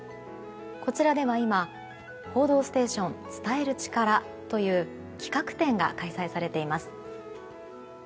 こちらでは今報道ステーション伝えるチカラという企画展が開催されています。